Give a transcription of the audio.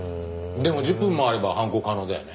でも１０分もあれば犯行可能だよね。